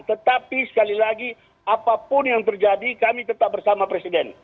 tetapi sekali lagi apapun yang terjadi kami tetap bersama presiden